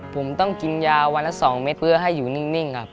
ผมต้องกินยาวันละ๒เม็ดเพื่อให้อยู่นิ่งครับ